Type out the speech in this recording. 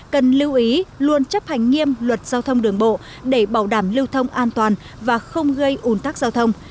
cần lưu ý luôn chấp hành nghiêm luật giao thông đường bộ để bảo đảm lưu thông an toàn và không gây ủn tắc giao thông